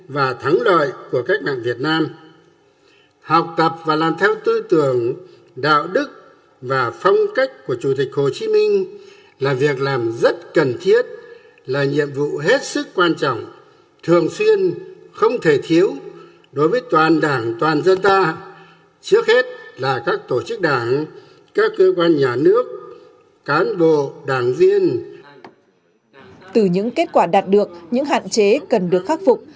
phát biểu tại hội nghị tổng bí thư nguyễn phú trọng khẳng định cuộc đời và sự nghiệp của chủ tịch hồ chí minh đã trở thành biểu tượng cách mạng